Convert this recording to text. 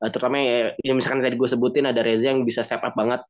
terutama yang misalkan tadi gue sebutin ada reza yang bisa step up banget